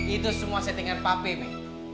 itu semua settingan papi mi